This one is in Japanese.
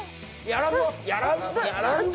やらんぞ！